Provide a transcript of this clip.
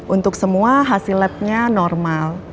untuk semua hasil labnya normal